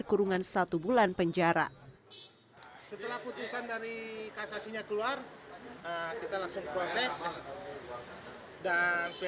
kurungan satu bulan penjara setelah putusan dari kasasinya keluar kita langsung proses dan